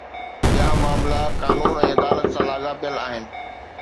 ٻيا معاملا قانون ۽ عدالت سان لاڳاپيل آهن